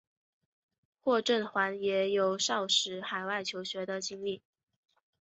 霍震寰也有少时海外求学的经历。